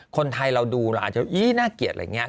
คนไทยเราดูเราอาจจะน่าเกลียดอะไรอย่างนี้